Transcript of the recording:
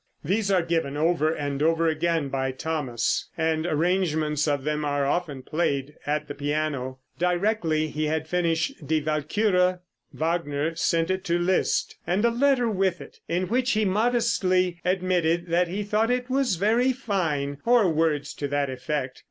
These are given over and over again by Thomas, and arrangements of them are often played at the piano. Directly he had finished "Die Walküre," Wagner sent it to Liszt, and a letter with it, in which he modestly admitted that he thought it was very fine, or words to that effect.